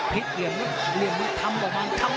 พลิกเหลี่ยมแล้วเหลี่ยมมันทำหรือไม่ทำ